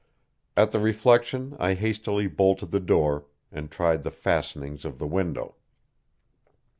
At the reflection I hastily bolted the door, and tried the fastenings of the window.